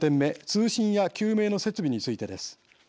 通信や救命の設備についてです。